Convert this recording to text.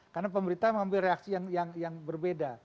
karena pemerintah mengambil reaksi yang berbeda